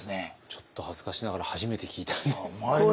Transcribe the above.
ちょっと恥ずかしながら初めて聞いたんですが。